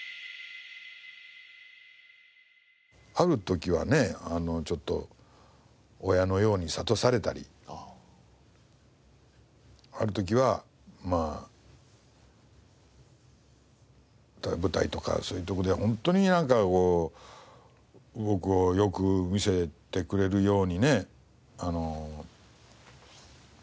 ある時はねちょっと親のように諭されたりある時はまあ舞台とかそういうとこでは本当になんかこう僕をよく見せてくれるようにしてくれたり。